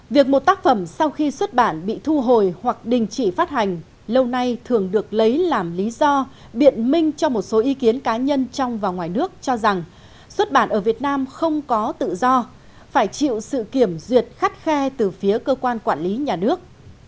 việc một tác phẩm sau khi xuất bản bị thu hồi hoặc đình chỉ phát hành lâu nay thường được lấy làm lý do biện minh cho một số ý kiến cá nhân trong và ngoài nước cho rằng xuất bản ở việt nam không có tự do phải chịu sự kiểm duyệt khắt khe từ phía cơ quan quản lý nhà nước